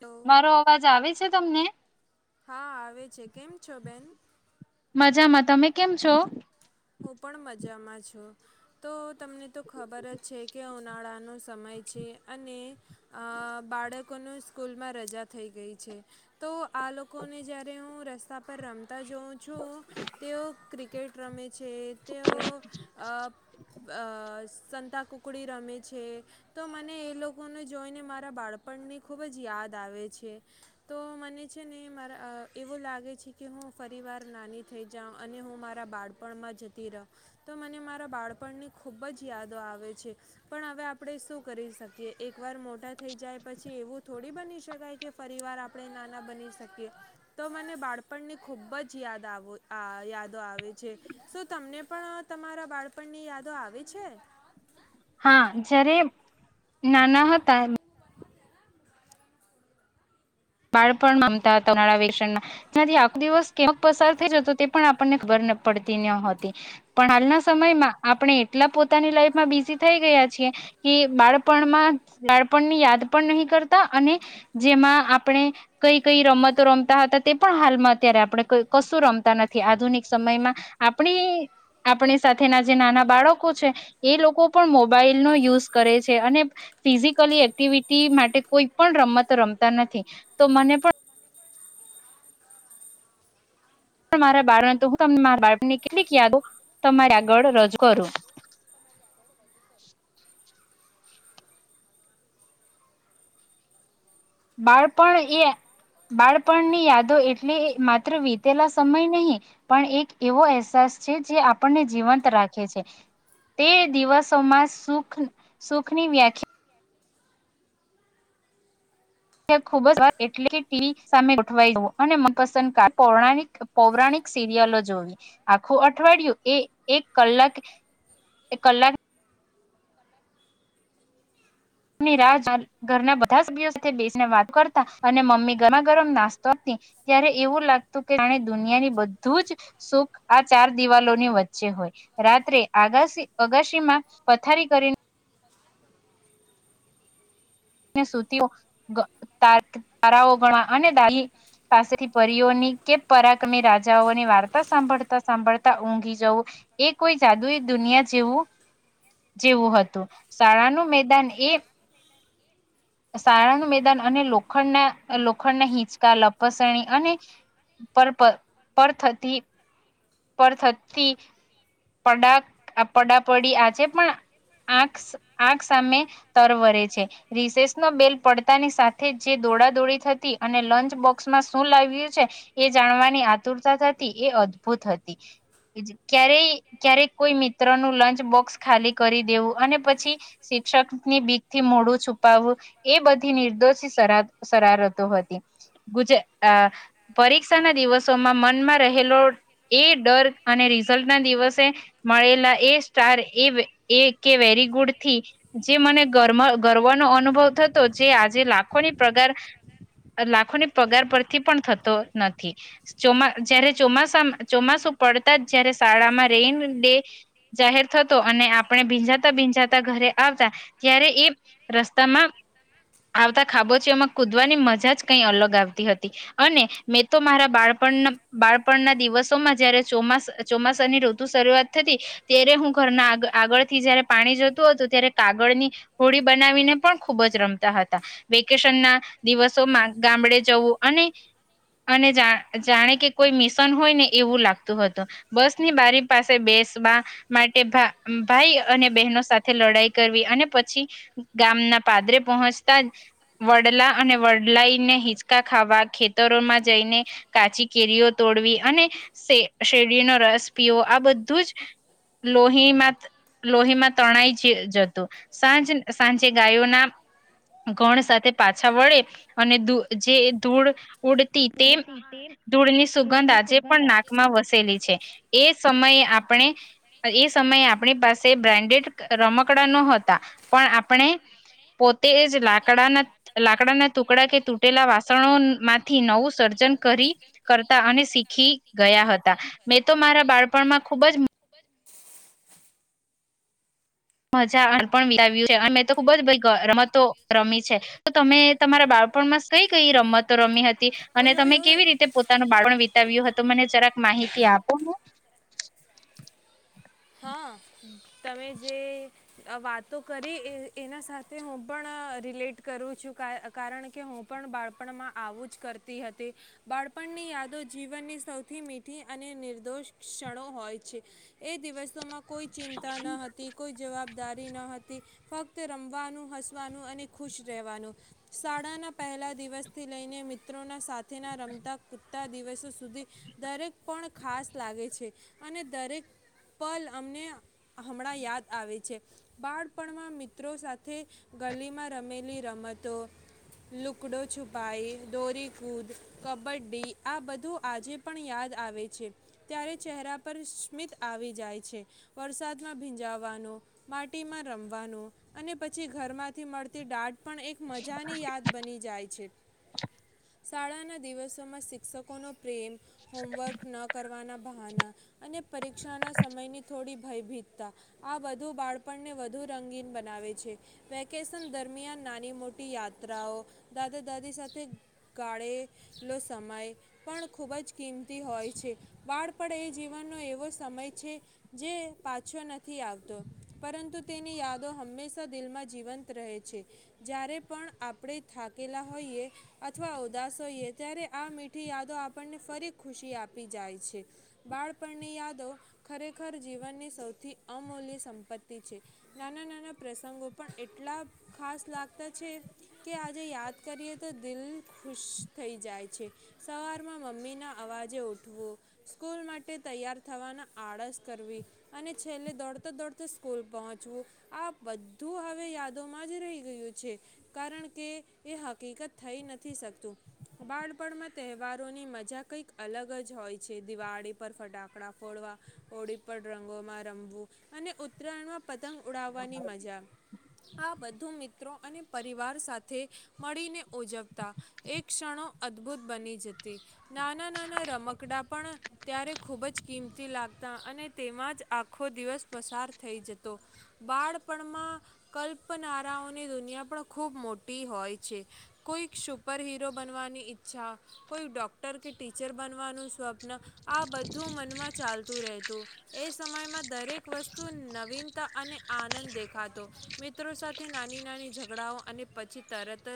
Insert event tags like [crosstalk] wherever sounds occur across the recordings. Hello મારો અવાજ આવે છે તમને? હા આવે છે કેમ છો બેન મજામાં, તમે કેમ છો? હું પણ મજામાં છું. તો તમને તો ખબર જ છે કે ઉનાળાનો સમય છે અને અહ બાળકોનો સ્કૂલમાં રજા થઈ ગઈ છે, તો આ લોકો ને જયારે હું ર સા પર રમ તા જોઉં છું તેઓ ક્રિકેટ રમે છે તેઓ અહ-અહ સંતા કુકડી રમે છે તો મને એ લોકોને જોઈને મારા બાળપણની ખૂબ જ યાદ આવે છે, તો મને છે ને મારા અહ એવું લાગે છે કે હું ફરીવાર નાની થઈ જાઉં અને હું મારા બાળ પણમાં જતી રહ તો મને મારા બાળપણની ખૂબ જ યાદો આવે છે, પણ હવે આપણે શું કરી શકીએ એકવાર મોટા થઈ જાય પછી એવું થોડી બની શકાય કે ફરીવાર આપણે નાના બની શકીએ, તો મને બાળપણની ખૂબ જ યાદ આવ અહ યાદો આવે છે. શું તમને પણ હવે તમારા બાળપણની યાદો આવે છે? હા જયારે નાના હતા બાળપણમાં [unintelligible] ઉનાળા વિશેના ને આખો દિવસ કેવો પસાર થઈ જતો તે પણ આપણને ખબર પડતી નતી. પણ હાલના સમયમાં આપણે એટલા પોતાની લાઈફમાં બિઝી થઈ ગયા છી કે બાળપણમાં બાળપણની યાદ પણ નહી કરતા અને જેમાં આ આપણે કઈ કઈ રમતો રમતા હતા તે પણ હાલમાં અત્યારે આપણે કઈ કશું રમતા નથી. આધુનિક સમયમાં આપણી આપણી સાથેના જે નાના બાળકો છે એ લોકો પણ મોબાઈલનો યુઝ કરે છે અને ફિઝિકલી એક્ટિવિટી માટે કોઈ પણ રમત રમતા નથી. તો મને પણ ણ મારા બાળ તો હું તમને મારા બાળણ ને કેટલીક યાદ હો તમારે આગળ રજૂ કરું. બાળપણ એ બાળપણની યાદો એટલે માત્ર વીતેલા સમય નહીં પણ એક એવો અહેસાસ છે જે આપણને જીવંત રાખે છે. તે દિવસોમાં સુખ સુખની વ્યાખ્યા ખુબ જ વાત એટલે ટીવી સામે ગોઠવાઈ જવું અને મનપસંદ પૌરાક પૌરાણિક સિરિયલો જોવી આખું અઠવાડિયું એ એક કલાક ક કલાક ની રાહ [inaudible] ઘરના બધા સભ્યો સાથે બેસીને વાત કરતા અને મમ્મી ગરમા ગરમ નાસ્તો આપતી. ત્યારે એવું લાગતું કે જાણે દુનિયાની બધું જ સુખ આ ચાર દિવાલોની વચ્ચે હોય. રાત્રે આગાસી અગાસીમાં પથારી કરીન ને સુતી [inaudible] તા તારાઓ ગણવા અને દાદી પાસેથી પરીઓની કે પરાક્રમી રાજાઓની વાર્તા સાંભળતા સાંભળતા ઊંઘી જવું એ કોઈ જાદુઈ દુનિયા જેવું જેવું હતું. શાળાનું મેદાન એ સારંગ મેદાન અને લોખંડના લોખંડના હિંચકા, લપસણી અને પર પ પર થતી પર થતી પડા પડાપડી આજે પણ આખ આંખ સામે તરવરે છે. રિસેસમાં બેલ પડતાની સાથે જે દોડા દોડી થતી અને લંચ બોક્સમાં શું લાવ્યું છે એ જાણવાની આતુરતા થતી એ અદભુત હતી. ક્યારેય ક્યારેક કોઈ મિત્ર નું લંચ બોક્સ ખાલી કરી દેવું અને પછી શિક્ષકની બીક થી મોડું છુપાવવું એ બધી નિર્દોષ શરા શરારતો હતી. ગુજ અ પરીક્ષા ના દિવસોમાં મનમાં રહેલો એ ડર અને રિઝલ્ટ ના દિવસ એ મળેલા એ સ્ટાર એ એ કે વેરી ગુડથી જે મને ગરમાં ગર્વનો અનુભવ થતો જે આજે લાખોની પગાર લાખોની પગાર પરથી પણ થતો નથી. ચોમા જયારે ચોમાસા ચોમાસું પડતા જ જયારે શાળામાં ડે જાહેર થતો અને આપણે ભીંજાતા ભીંજાતા ઘરે આવતા ત્યારે એ રસ્તામાં આવતા ખાબોચીઓમાં કુદવાની મજા જ કઈ અલગ આવતી હતી અને મેં તો મારા બાળપણના બાળપણના દિવસોમાં જયારે ચોમાસ ચોમાસાની ઋત શરૂઆત થતી ત્યારે હું ઘરના આ આગળથી જયારે પાણી જતું હતું, ત્યારે કાગળની હોડી બનાવીને પણ ખુબ જ રમતા હતા. વેકેશન ના દિવસોમાં ગામડે જવું અને અને જા જાણે કે કોઈ મિશન હોય ને એવું લાગતું હતું બસની બારી પાસે બેસવા માટે ભા ભાઈ અને બહેનો સાથે લડાઈ કરવી અને પછી ગામના પાદરે પહોંચતા વડલા અને વડલાઈને હિચકા ખાવા ખેતરોમાં જઈને કાચી કેરીઓ તોડવી અને શે શેરડીનો રસ પીવો. આ બધું જ લોહીમાં લોહીમાં તણાઈ જ જતું. સાંજ સાંજે ગાયોના ઘણ સાથે પાછા વળે અને જે ધૂળ ઉડતી. તેમ તે ધૂળની સુગંધ આજે પણ નાકમાં વસેલી છે. એ સમય આપણે એ સમયે આપણી પાસે બ્રાન્ડેડ રમકડા ન હતા. પણ આપણે પોતે જ લાકડાના લાકડાના ટુકડા કે તૂટેલા વાસણો માંથી નવું સર્જન કરી, કરતા અને શીખી ગયા હતા મેં તો મારા બાળ પણ માં ખૂબ જ મજા [unintelligible] પણ વિતાવ્યું છે અને મેં તો ખુબ જ રમતો રમી છે. તો તમે તમારા બાળપણમાં કઈ કઈ રમતો રમી હતી? અને ઓય તમે ઓય ઓય કેવી રીતે પોત નાનું બાળપણ વિતાવ્યું હતું મને જરાક માહિતી આપો ને. હા તમે જે વાતો કરી એના સાથે હું પણ રિલેટ કરું છું, કારણકે હું પણ બાળપણમાં આવું જ કરતી હતી. બાળપણની યાદો જીવનની સૌથી મીઠી અને નિર્દોષ ક્ષણો હોય છે. એ દિવસોમાં કોઈ ચિંન તા ન હતી કોઈ જવ વાદારી ન હતી, ફક્ત રમવાનું, હસવાનું અને ખુશ રહેવાનું. શાળાના પહેલા દિવસથી લઈને મિત્રોના સાથ થે ના રમતા. આવ દિવસો સુધી દરેક પણ ખાસ લાગે છે. અને દરેક પલ અમને, હમણાં યાદ આવે છે. બાળપણમાં મિત્રો સાથે ગલીમાં રમેલી રમતો લુકડો છુપાઈ, દોરીકૂદ, કબડ્ડી આ બધું આજે પણ યાદ આવે છે. ત્યારે ચહેરા પર સ્મિત આવી જાય છે. વરસાદમાં ભીંજાવાનો. માટીમાં રમવાનું અને પછી, ઘરમાંથી મળતી દાઢ પણ એક મજાની યાદ બની જાય છે. શાળાના દિવસોમાં શિક્ષકોનો પ્રેમ. હોમવર્ક ન કરવાના બહાના અને પરીક્ષાના સમયની થોડી, ભયભીતતા આ બધું બાળપણને વધુ રંગીન બનાવે છે. વેકેશન દરમિયાન નાની મોટી યાત્રાઓ દાદા દાદી સાથે ગાળેલો સમય પણ ખૂબ જ કિંમતી હોય છે. બાળપણ એ જીવનનો એવો સમય છે, જે પાછો નથી. આવતો પરંતુ તેની યાદો હંમેશા દિલમાં જીવંત રહે છે. જ્યારે પણ આપણે થાકેલા હોઈએ અથવા ઉદાસ હોઈએ, ત્યારે આ મીઠી યાદો આપણને ફરી ખુશી આપી જાય છે. બાળપણની યાદો ખરેખર જીવનની સૌથી અમૂલ્ય સંપત્તિ છે. નાના નાના પ્રસંગો પણ એટલા ખાસ લાગતા છે, કે આજે યાદ કરીએ તો દિલ ખુશ થઈ જાય છે. સવારમાં મમ્મીના અવાજે ઉઠવો સ્કૂલ માટે તૈયાર થવાના આળસ કરવી. અને છેલ્લે દોડતાં દોડતા સ્કૂલ પહોંચવું આ બધું હવે યાદોમાં જ રહી ગયું છે. કારણ કે, એ હકીકત થઈ નથી શકતું. બાળપણમાં તહેવારોની મજા કંઈક અલગ જ હોય છે. દિવાળી પર ફટાકડા ફોડવા હોળી પર રંગોમાં રમવું અને ઉત્તરાયણમાં પતંગ ઉડાવાની મજા. આ બધું મિત્રો અને પરિવાર સાથે મળીને ઉજવતા એક ક્ષણો અદભુત બની જતી. નાના નાના રમકડા પણ ત્યારે, ખૂબ જ કિંમતી લાગતા અને તેમાં જ આખો દિવસ પસાર થઈ જતો. બાળપણમાં કલ્પનારાઓની દુનિયા પણ ખૂબ મોટી હોય છે. કોઈક, સુપર હિરો બનવાની ઈચ્છા કોઈક ડૉક કે, ટીચર બનવાનું સ્વપ્ન. આ બધું મનમાં ચાલતું રહેતું. એ સમયમાં દરેક વસ્તુ નવીનતા અને આનંદ દેખાતો. મિત્રો સાથે નાની નાની ઝઘડાઓ અને પછી, તરત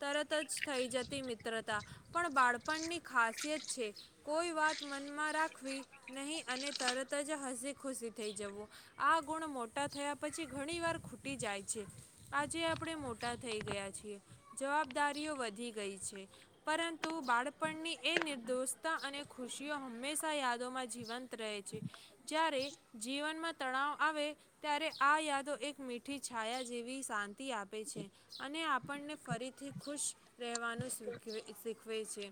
તરત જ થઈ જતી મિત્રતા પણ બાળપણની ખાસિયત છે. કોઈ વાત મનમાં રાખવી નહીં અને તરત ત જ હસી ખુશી થઈ જવું. આ ગુણ મોટા થયા પછી ઘણીવાર ખૂટી જાય છે. આજે આપણે મોટા થઈ ગયા છીએ. જવાબદારીઓ વધી ગઈ છે. પરંતુ બાળપણની એ નિર્દોષતા અને ખુશીઓ હંમેશા યાદોમાં જીવંત રહે છે. જ્યારે જીવનમાં તણાવ આવે ત્યારે, આ યાદો એક મીઠી છાયા જેવી શાંતિ આપે છે. અને આપણને ફરીથી ખુશ રહેવાનું શીખ શીખ વે છે.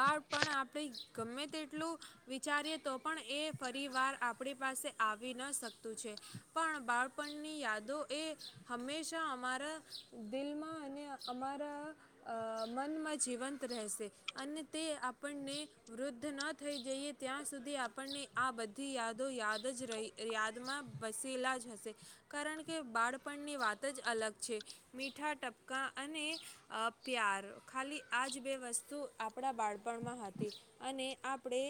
બાળપણ આપણે ગમે તેટલું વિચારીએ તો પણ એ ફરીવાર આપણી પાસે આવી ન શકતું છે. પણ બાળપણની યાદો એ હંમેશા અમારા દિલમાં અને અમારા અ મનમાં જીવંત રહેશે. અને તે આપણને વૃદ્ધ ન થઈ જઈએ, ત્યાં સુધી આ આપણને આ બધી યાદો યા દ જ રહી, યાદમાં વસેલા જ હશે. કારણ કે, બાળપણની વાત જ અલગ છે. મીઠા ટપકા અને અ પ્યાર ખાલી. આ જ બે વસ્તુ આપણા બાળપણમાં હતી. અને આપણે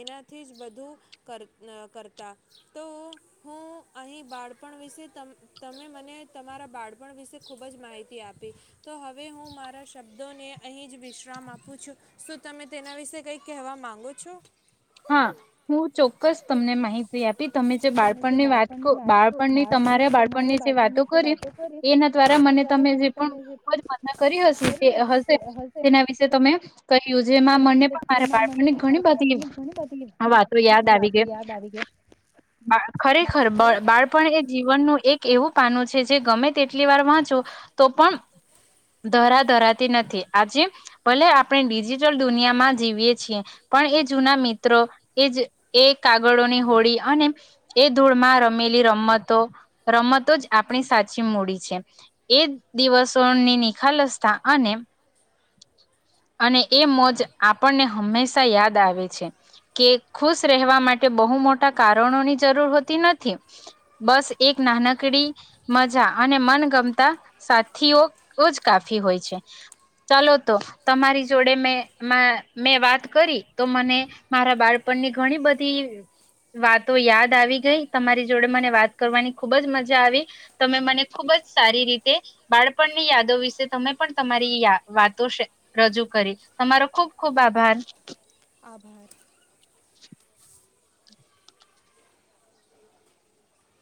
એનાથી જ બધ ધુ કર કરતા, તો હું અહીં બાળપણ વિશે તમે મને તમારા બાળપણ વિશે ખૂબ જ માહિતી આપી. તો હવે, હું મારા શબ્દોને અહી જ વિશ્રામ આપું છું. શું તમે તેના વિશે કઈ કહેવા માંગો છો. હા, હું ચોક્કસ તમને માહિતી આપી. તમે જે બાળપણની વાત બાળપણની તમારા બાળપણની જે વાતો કરી, એના દ્વારા મને તમે જે પણ ખુબ મજા કરી હ હશે તેના વિશે તમે કહ્યું છે. જેમાં મને પણ મારા બાળપણ ની ઘણી બધી હ, વા તો યાદ આવી ગઈ બા. ખરેખર, બાળપણ એ જીવનનું એક એવું પાનું છે. જે ગમે તેટલી વાર વાંચો તો પણ ધરા ધરાતી નથી. આજે ભલે આપણે ડિજિટલ દુનિયામાં જીવીએ છીએ, પણ એ જૂના મિ ત્ર એ જ એ કાગળોની હોડી અને એ ધૂળમાં રમેલી રમતો. રમતો જ આપણી સાચી મૂડી છે, એ દિવસોની નિખાલસતા અને અને એ મોજ આપણને હંમેશા યાદ આવે છે. કે ખુશ રહેવા માટે બહુ મોટા કારણોની જરૂર હોતી નથી. બસ એક નાનકડી મજા અને મનગમતા સાથીઓજ કાફી હોય છે. ચાલ તો તમારી જોડે મે વાત કરી, તો મને મારા બાળપણની ઘણી બધી વાતો યાદ આવી ગઈ. તમારી જોડે મને વાત કરવાની ખૂબ જ મજા આવી. તમે મને ખુબ જ સારી રીતે બાળપણની યાદો વિશે તમે પણ તમારીયા વાતો છે, રજૂ કરી તમારો ખૂબ ખુબ આભાર. આભાર. [unintelligible]